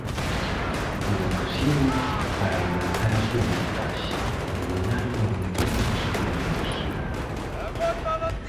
Con ocasións para aumentar a súa vantaxe, dominaron a un equipo de Segunda División.